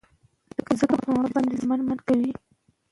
موږ تل د حق او رښتیا ملاتړ کوو.